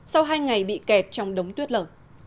sau hai ngày bị kẹt trong đống tuyết lở